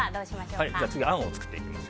次はあんを作っていきます。